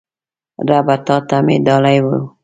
ربه تاته مې ډالۍ وی